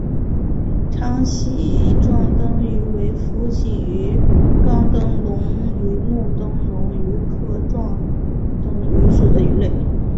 长鳍壮灯鱼为辐鳍鱼纲灯笼鱼目灯笼鱼科壮灯鱼属的鱼类。